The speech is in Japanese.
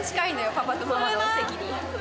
パパとママの席に。